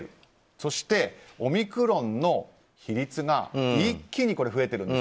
そして、オミクロンの比率が一気に増えているんです。